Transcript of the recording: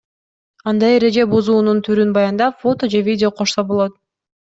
Анда эреже бузуунун түрүн баяндап, фото же видео кошсо болот.